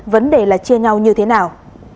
vấn đề là chia nhau như thế nào